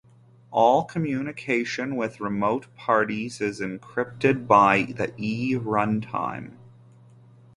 All communication with remote parties is encrypted by the E runtime.